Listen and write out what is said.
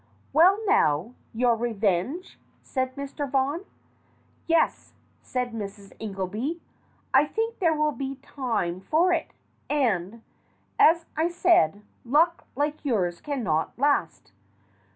"Well, now, your revenge?" said Mr. Vaughan. "Yes," said Mrs. Ingelby, "I think there will be time for it ; and, as I said, luck like yours cannot last.